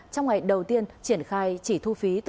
trong ngày đầu tiên triển khai chỉ thu phí